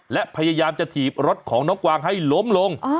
และพยายามจะถีบรถของน้องกวางให้ล้มลง